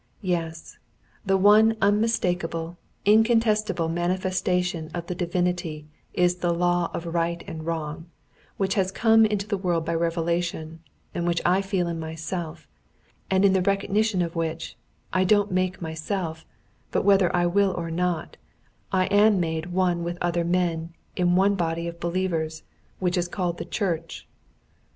"Yes, the one unmistakable, incontestable manifestation of the Divinity is the law of right and wrong, which has come into the world by revelation, and which I feel in myself, and in the recognition of which—I don't make myself, but whether I will or not—I am made one with other men in one body of believers, which is called the church.